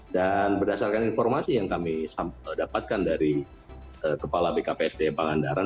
dan berdasarkan informasi yang kami dapatkan dari kepala bkpsd pangandaran